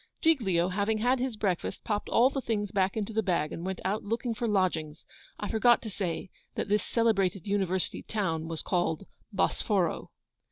Giglio, having had his breakfast, popped all the things back into the bag, and went out looking for lodgings. I forgot to say that this celebrated university town was called Bosforo.